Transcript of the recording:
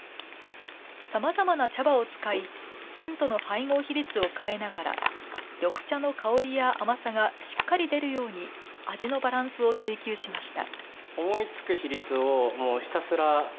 さまざまな茶葉を使い、ジンとの配合比率を変えながら、緑茶の香りや甘さがしっかり出るように、味のバランスを追求しました。